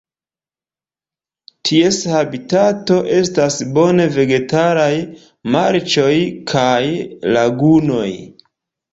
Ties habitato estas bone vegetalaj marĉoj kaj lagunoj.